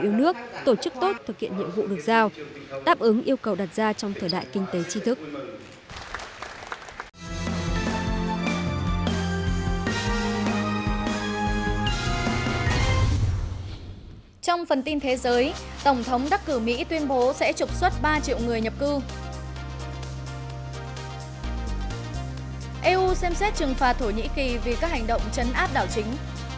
eu xem xét trừng phạt thổ nhĩ kỳ vì các hành động chấn áp đảo chính